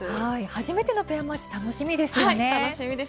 初めてのプレーマッチ楽しみですよね。